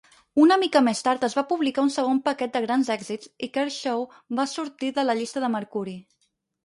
Una mica més tard, es va publicar un segon paquet de grans èxits i Kershaw va sortir de la llista de Mercuri.